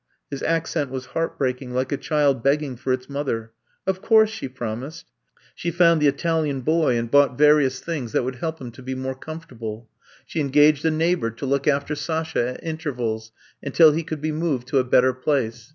His accent was heartbreaking, like a child begging for its mother. "Of course," she promised. She found the Italian boy and bought I'VE COME TO STAY 155 various things that would help him to be more comfortable. She engaged a neigh bor to look after Sasha at intervals until he could be moved to a better place.